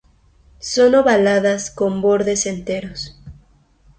Son ovaladas con bordes enteros.